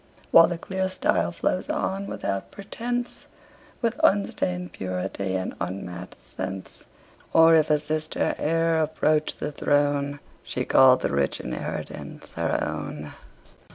While the clear style flows on without pretence, With unstained purity, and unmatched sense: Or, if a sister e'er approached the throne, She called the rich 'inheritance' her own.